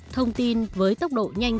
thông tin với tốc độ nhanh